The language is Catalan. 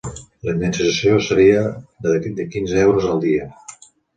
La indemnització seria de quinze euros al dia.